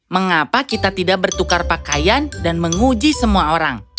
mengapa kita tidak bertukar pakaian dan menguji semua orang